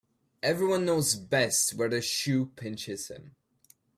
Every one knows best where the shoe pinches him